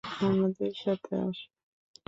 আমাদের সাথে আসো?